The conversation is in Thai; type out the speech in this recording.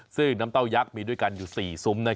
ซึ่งน้ำเต้ายักษ์มีด้วยกันอยู่๔ซุ้ม